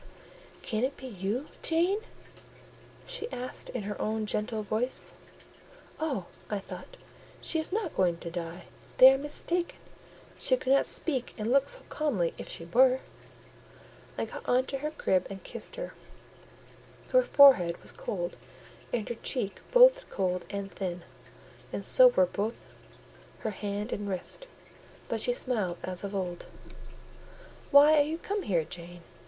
"Can it be you, Jane?" she asked, in her own gentle voice. "Oh!" I thought, "she is not going to die; they are mistaken: she could not speak and look so calmly if she were." I got on to her crib and kissed her: her forehead was cold, and her cheek both cold and thin, and so were her hand and wrist; but she smiled as of old. "Why are you come here, Jane?